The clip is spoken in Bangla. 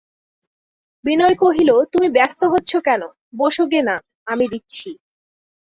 বিনয় কহিল, তুমি ব্যস্ত হচ্ছ কেন, বোসোগে-না, আমি দিচ্ছি।